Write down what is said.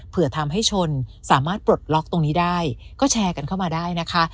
เพื่อทำให้ชนสามารถปลดล็อกตรงนี้ได้ก็แชร์กันเข้ามาได้นะคะ